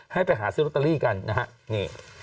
ให้ไปหาซื้อลอตเตอรี่กันนะฮะนี่